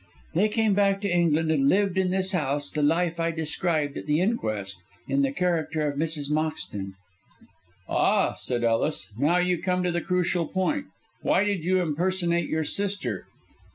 They came back to England, and lived in this house the life I described at the inquest in the character of Mrs. Moxton." "Ah," said Ellis, "now you come to the crucial point. Why did you impersonate your sister?"